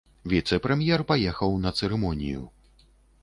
Віцэ-прэм'ер паехаў на цырымонію.